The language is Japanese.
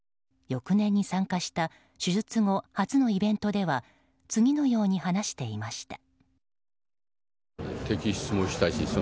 翌年に参加した手術後初のイベントでは次のように話していました。